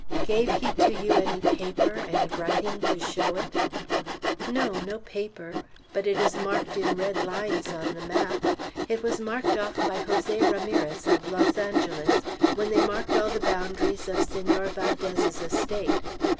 "Gave he to you any paper, any writing to show it?" "No, no paper; but it is marked in red lines on the map. It was marked off by Jose Ramirez, of Los Angeles, when they marked all the boundaries of Senor Valdez's estate.